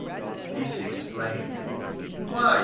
He ceased playing. "Why?"